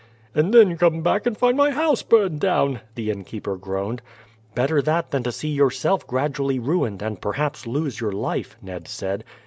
"And then come back and find my house burned down," the innkeeper groaned. "Better that than to see yourself gradually ruined, and perhaps lose your life," Ned said.